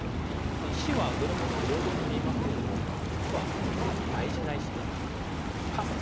石はどれも平等に見えますけれども実はすごく大事な石とカスと呼ばれるカス石。